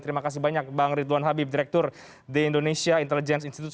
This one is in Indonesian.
terima kasih banyak bang ridwan habib direktur the indonesia intelligence institute